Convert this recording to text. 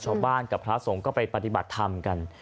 ชาวบ้านกับพระสงฆ์ก็ไปปฏิบัติธรรมกัน